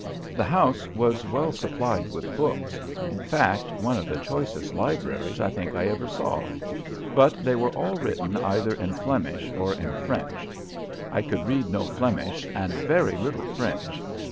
The house was well supplied with books in fact, one of the choicest libraries I think I ever saw but they were all written either in Flemish or in French. I could read no Flemish and very little French.